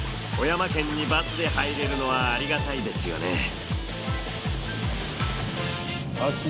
富山県にバスで入れるのはありがたいですよね。